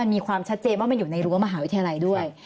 มีความชัดเจนว่ามันอยู่ในรั้วมหาวิทยาลัยด้วย